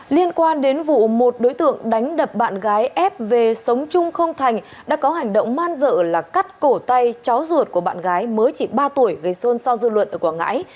liên quan đến vụ một đối tượng đánh đập bạn gái f về sống chung không thành đã có hành động man dợ là cắt cổ tay cháu ruột của bạn gái mới chỉ ba tuổi gây xôn xao dư luận ở quảng ngãi